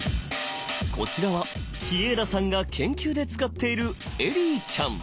こちらは日永田さんが研究で使っているエリーちゃん。